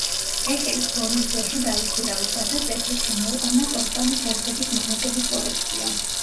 ეკელი ფლორენციაში დაიქირავეს, რათა წესრიგში მოეყვანა ტოსკანის ჰერცოგის მონეტების კოლექცია.